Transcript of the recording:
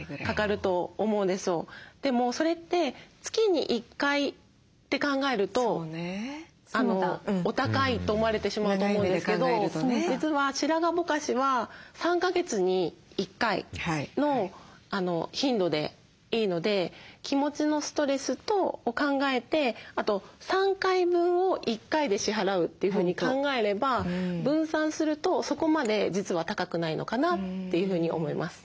でもそれって月に１回って考えるとお高いと思われてしまうと思うんですけど実は白髪ぼかしは３か月に１回の頻度でいいので気持ちのストレスを考えてあと３回分を１回で支払うというふうに考えれば分散するとそこまで実は高くないのかなというふうに思います。